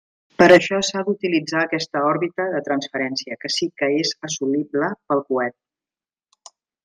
Per això s'ha d'utilitzar aquesta òrbita de transferència, que sí que és assolible pel coet.